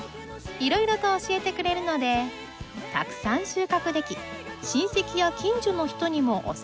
いろいろと教えてくれるのでたくさん収穫でき親戚や近所の人にもお裾分け。